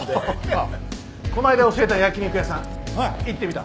あっこの間教えた焼き肉屋さん行ってみた？